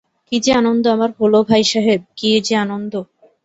কী যে আনন্দ আমার হল ভাইসাহেব-কী যে আনন্দ!